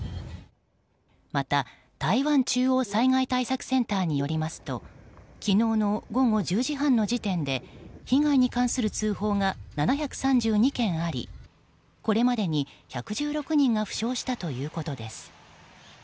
また台湾中央災害対策センターによりますと昨日の午後１０時半の時点で被害に関する通報が７３２件ありこれまでに１１６人が負傷したということです。